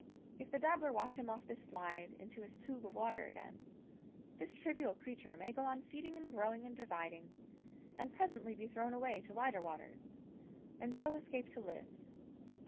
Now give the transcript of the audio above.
If the dabbler wash him off this slide into his tube of water again, this trivial creature may go on feeding and growing and dividing, and presently be thrown away to wider waters, and so escape to live